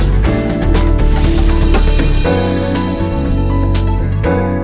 perbincangan bersama jay taslim akan kita lanjutkan